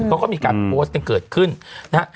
เพราะก็มีการโปรดเป็นเกิดขึ้นนะ